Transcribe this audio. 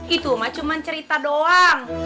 itu mah cuma cerita doang